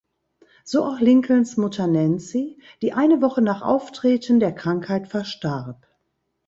So auch Lincolns Mutter Nancy, die eine Woche nach Auftreten der Krankheit verstarb.